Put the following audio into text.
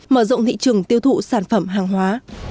mở rộng thị trường tiêu thụ sản phẩm hàng hóa